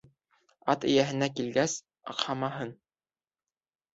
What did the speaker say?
Ат эйәһенә килгәс, аҡһамаһын.